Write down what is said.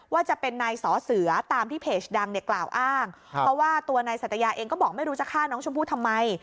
ว่าจะเป็นนายสอเสือตามที่เพจดังเนี่ยกล่าวอ้างเพราะว่าตัวนายสัตยาเองก็บอกไม่รู้จะฆ่าน้องชมพู่ทำไม